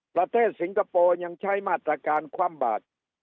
ประเทศสิงคโปร์ยังใช้มาตรการความบาด